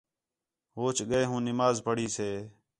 ہوچ ڳئے ہوں نماز پڑھی سے